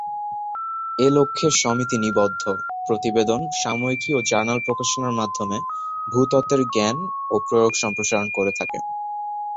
এ লক্ষ্যে সমিতি নিবন্ধ, প্রতিবেদন, সাময়িকী ও জার্নাল প্রকাশনার মাধ্যমে ভূতত্ত্বের জ্ঞান ও প্রয়োগ সম্প্রসারণ করে থাকে।